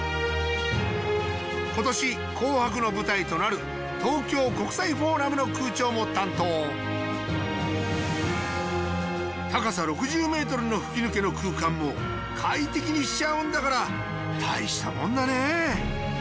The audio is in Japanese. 今年紅白の舞台となる東京国際フォーラムの空調も担当高さ６０ｍの吹き抜けの空間も快適にしちゃうんだから大したもんだね。